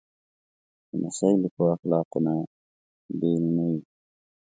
لمسی له ښو اخلاقو نه بېل نه وي.